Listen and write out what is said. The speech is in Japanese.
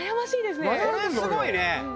これすごいね。